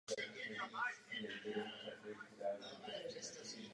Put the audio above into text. Vystudoval gymnázium a vstoupil do řad Tovaryšstva Ježíšova.